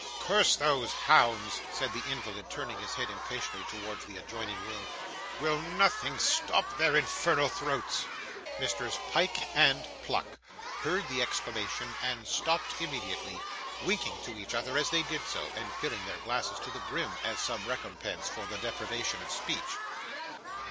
'Curse those hounds!' said the invalid, turning his head impatiently towards the adjoining room; 'will nothing stop their infernal throats?' Messrs Pyke and Pluck heard the exclamation, and stopped immediately: winking to each other as they did so, and filling their glasses to the brim, as some recompense for the deprivation of speech.